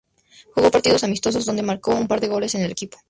Jugó partidos amistosos donde marcó un par de goles con el equipo.